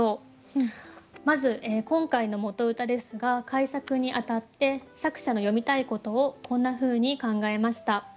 まず今回の元歌ですが改作にあたって作者の詠みたいことをこんなふうに考えました。